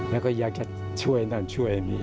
แล้วก็อยากจะช่วยนั่นช่วยอันนี้